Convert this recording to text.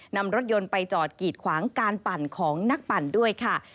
นำรถยนต์ไปจอดกีดขวางการปั่นของนักปั่นด้วยค่ะ